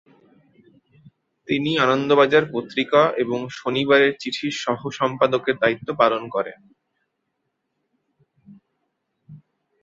তিনি আনন্দবাজার পত্রিকা এবং শনিবারের চিঠির সহ সম্পাদকের দায়িত্ব পালন করেন।